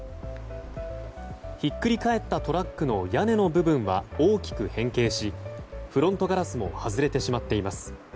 ひっくり返ったトラックの屋根の部分は大きく変形しフロントガラスも外れてしまっています。